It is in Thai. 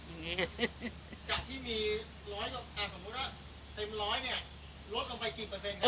จากที่มี๑๐๐ก็อ่ะสมมุติว่าเต็ม๑๐๐เนี่ยลดลงไปกี่เปอร์เซ็นต์คะ